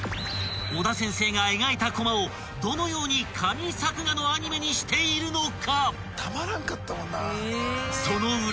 ［尾田先生が描いたこまをどのように神作画のアニメにしているのか？］